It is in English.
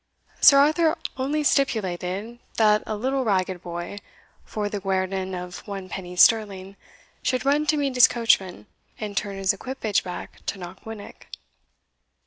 Sir Arthur only stipulated, that a little ragged boy, for the guerdon of one penny sterling, should run to meet his coachman, and turn his equipage back to Knockwinnock.